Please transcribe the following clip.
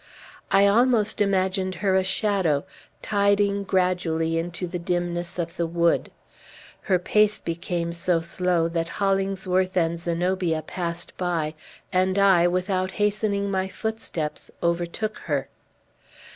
I almost imagined her a shadow, tiding gradually into the dimness of the wood. Her pace became so slow that Hollingsworth and Zenobia passed by, and I, without hastening my footsteps, overtook her.